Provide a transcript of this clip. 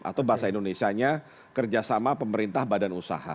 atau bahasa indonesia nya kerjasama pemerintah badan usaha